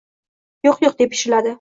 — Yo‘q, yo‘q... — deya pichirladi.